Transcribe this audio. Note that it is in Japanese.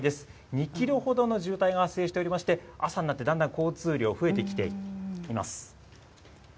２キロほどの渋滞が発生しておりまして、朝になってだんだん交通量増えてきています。